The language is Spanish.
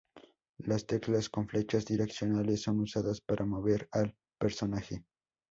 Las teclas con flechas direccionales son usadas para mover al personaje.